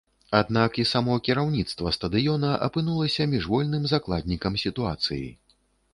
Аднак і само кіраўніцтва стадыёна апынулася міжвольным закладнікам сітуацыі.